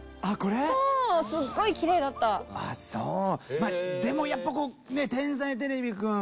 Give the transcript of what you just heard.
まあでもやっぱこうねっ「天才てれびくん」